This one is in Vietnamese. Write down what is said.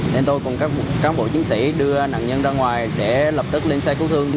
nên tôi cùng các cán bộ chiến sĩ đưa nạn nhân ra ngoài để lập tức lên xe cứu thương